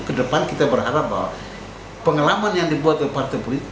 kedepan kita berharap bahwa pengalaman yang dibuat oleh partai politik